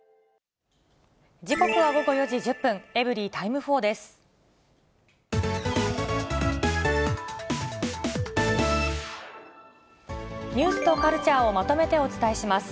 時刻は午後４時１０分、エブリィタイム４です。